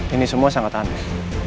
ini semua sangat aneh